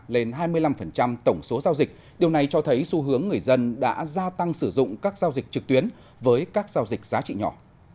lên hai mươi năm tổng số giao dịch điều này cho thấy xu hướng người dân đã gia tăng sử dụng các giao dịch trực tuyến với các giao dịch giá trị nhỏ